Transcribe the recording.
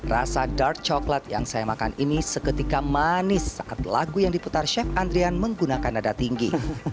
rasa dark coklat yang saya makan ini seketika manis saat lagu yang diputar chef andrian menggunakan nada tinggi